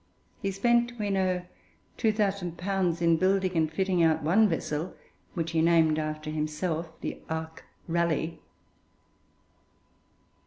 He spent, we know, 2,000_l._ in building and fitting out one vessel, which he named after himself, the 'Ark Raleigh.'